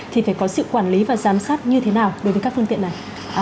thì phải có sự quản lý và giám sát như thế nào đối với các phương tiện này